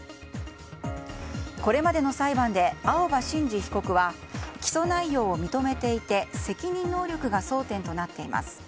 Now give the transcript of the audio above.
これまでの裁判で青葉真司被告は起訴内容を認めていて責任能力が争点となっています。